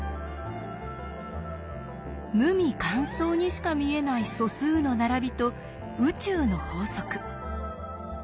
無味乾燥にしか見えない素数の並びと宇宙の法則。